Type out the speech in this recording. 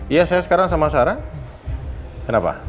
iya saya sekarang sama sarah kenapa